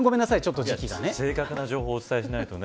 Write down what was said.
正確な情報をお伝えしないとね。